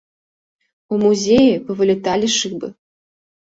У музеі павыляталі шыбы.